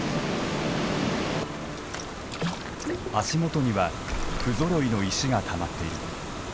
足元には不ぞろいの石がたまっている。